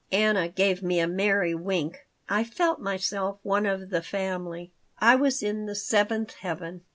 Anna gave me a merry wink. I felt myself one of the family. I was in the seventh heaven.